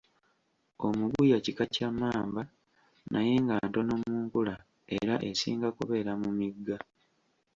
Omuguya kika kya mmamba naye nga ntono mu nkula era esinga kubeera mu migga.